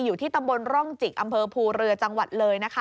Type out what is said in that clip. อยู่ที่ตำบลร่องจิกอำเภอภูเรือจังหวัดเลยนะคะ